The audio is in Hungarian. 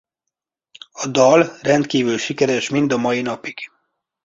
A dal rendkívül sikeres mind a mai napig.